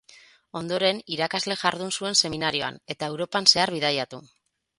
Ondoren irakasle jardun zuen seminarioan eta Europan zehar bidaiatu.